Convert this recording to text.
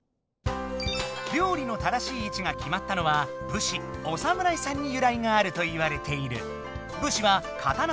料理の正しい位置が決まったのは「武士」おさむらいさんに由来があるといわれている。